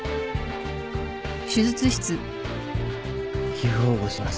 皮膚縫合します